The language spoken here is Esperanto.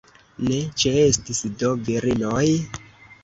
Ne ĉeestis do virinoj?